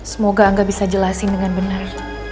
semoga angga bisa jelasin dengan benar